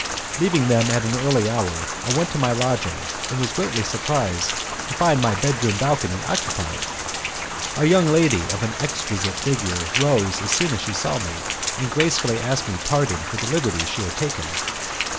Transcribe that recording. Leaving them at an early hour, I went to my lodging and was greatly surprised to find my bedroom balcony occupied. A young lady of an exquisite figure rose as soon as she saw me, and gracefully asked me pardon for the liberty she had taken.